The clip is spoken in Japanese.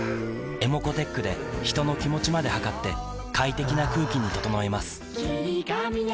ｅｍｏｃｏーｔｅｃｈで人の気持ちまで測って快適な空気に整えます